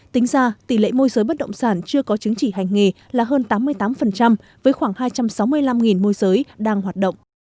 tính ra tỷ lệ môi giới bất động sản chưa có chứng chỉ hành nghề là hơn tám mươi tám với khoảng hai trăm sáu mươi năm môi giới đang hoạt động